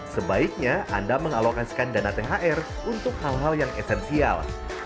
sebaiknya anda mengalokasikan dana thr untuk hal hal yang esensial